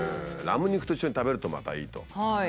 ラム肉と一緒に食べるとまたいいと。